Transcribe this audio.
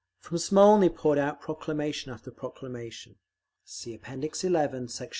From Smolny poured out proclamation after proclamation, (See App. XI, Sect.